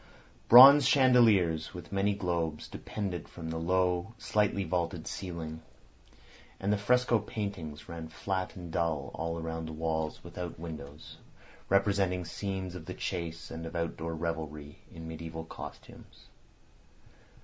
Bronze chandeliers with many globes depended from the low, slightly vaulted ceiling, and the fresco paintings ran flat and dull all round the walls without windows, representing scenes of the chase and of outdoor revelry in mediæval costumes.